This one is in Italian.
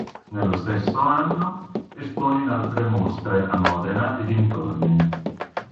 Nello stesso anno espone in altre mostre a Modena e dintorni.